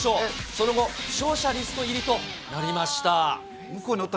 その後、負傷者リスト入りとなりました。